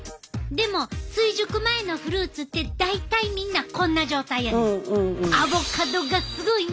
でも追熟前のフルーツって大体みんなこんな状態やねん。